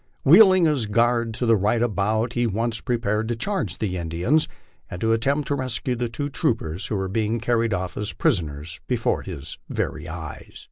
Wheeling his guard to the right about, he at once prepared to charge the Indians and to attempt the rescue of the two troopers who were being carried off as prisoners before his very eyes.